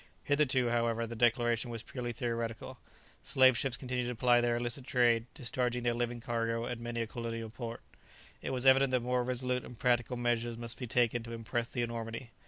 Hitherto, however, the declaration was purely theoretical. Slave ships continued to ply their illicit trade, discharging their living cargo at many a colonial port. It was evident that more resolute and practical measures must be taken to impress the enormity.